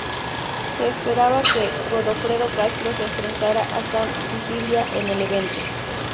Se esperaba que Godofredo Castro se enfrentara a Sam Sicilia en el evento.